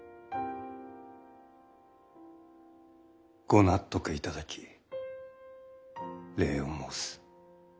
ご納得いただき礼を申す。